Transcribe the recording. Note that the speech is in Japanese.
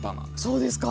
そうですね。